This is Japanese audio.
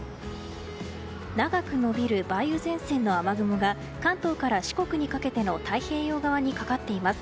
長く延びる梅雨前線の雨雲が関東から四国にかけての太平洋側にかかっています。